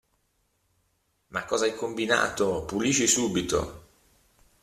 Ma cosa hai combinato? Pulisci subito!